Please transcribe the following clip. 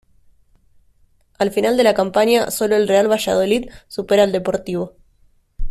Al final de la campaña, sólo el Real Valladolid supera al Deportivo.